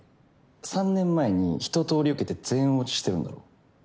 ３年前に一とおり受けて全落ちしてるんだろ？